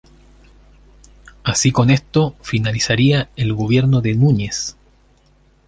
Así con esto finalizaría el gobierno de Núñez.